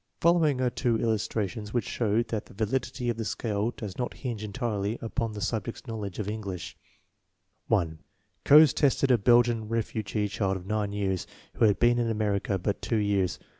Following are two illus trations which show that the validity of the scale does not hinge entirely upon the subject's knowledge of English: 1. Kohs tested a Belgian refugee child of nine years who had been in America but two years.